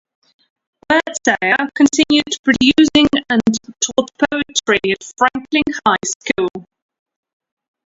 Wordsayer continued producing and taught poetry at Franklin High School.